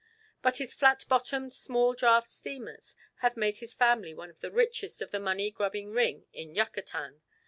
But his flat bottomed small draught steamers have made his family one of the richest of the money grubbing ring in Yucatan.